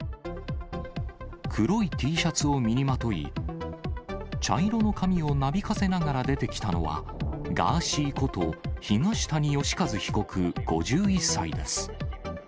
黒いＴシャツを身にまとい、茶色の髪をなびかせながら出てきたのは、ガーシーこと、東谷義和被告５１歳です。